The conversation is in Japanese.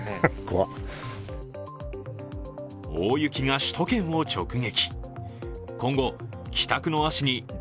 大雪が首都圏を直撃。